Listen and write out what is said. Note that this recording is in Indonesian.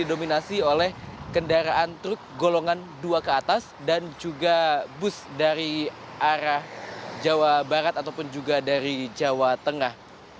didominasi oleh kendaraan truk golongan dua ke atas dan juga bus dari arah jawa barat ataupun juga dari jawa tengah